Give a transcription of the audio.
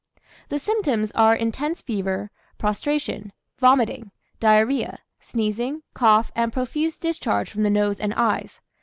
"The symptoms are intense fever, prostration, vomiting, diarrhoea, sneezing, cough, and profuse discharge from the nose and eyes.